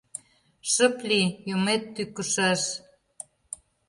Шып лий, юмет тӱкышаш!